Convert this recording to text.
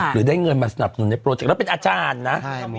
หรือได้เงินมาสนับสนุนในโปรเจกต์แล้วเป็นอาจารย์นะ